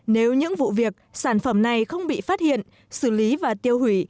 nếu những vụ việc sản phẩm này không bị phát hiện xử lý và tiêu hủy